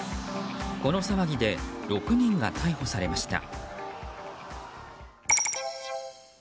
この騒ぎで６人が逮捕されました。